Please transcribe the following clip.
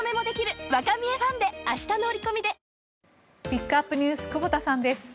ピックアップＮＥＷＳ久保田さんです。